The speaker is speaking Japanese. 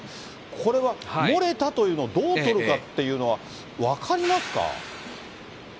これは漏れたというのをどう取るかっていうのは分かりますか。